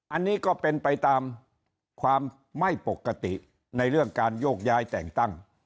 อันนี้ก็เป็นไปตามความไม่ปกติในเรื่องการโยกย้ายแต่งตั้ง